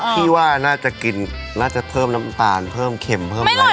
พี่ว่าน่าจะกินน่าจะเพิ่มน้ำตาลเพิ่มเข็มเพิ่มแล้ว